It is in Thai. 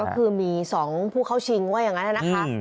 ก็คือมี๒ผู้เข้าชิงว่าอย่างนั้นนะคะ